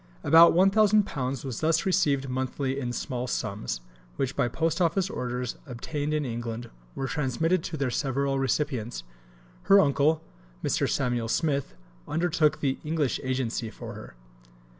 About £1000 was thus received monthly in small sums, which, by post office orders obtained in England, were transmitted to their several recipients. Her uncle, Mr. Samuel Smith, undertook the English agency for her.